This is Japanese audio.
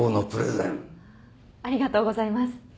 ありがとうございます。